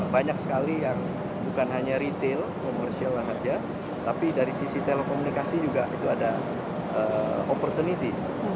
banyak sekali yang bukan hanya retail komersialnya saja tapi dari sisi telekomunikasi juga itu ada opportunity